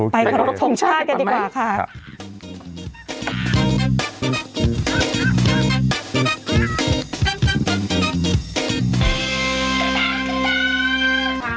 เนี้ยเราอ่าพองชาติกันดีกว่าค่ะ